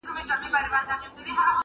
خو بېرېږم کار یې خره ته دی سپارلی!